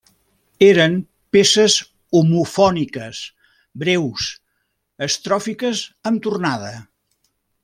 Eren peces homofòniques, breus, estròfiques amb tornada.